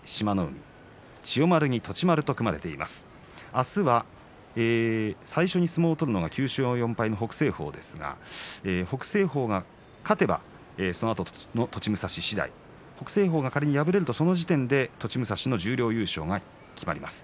明日最初に相撲を取るのが９勝４敗の北青鵬ですが北青鵬が勝てばそのあとの栃武蔵次第北青鵬が仮に敗れるとその時点で栃武蔵の十両優勝が決まります。